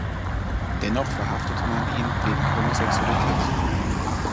Dennoch verhaftete man ihn wegen Homosexualität.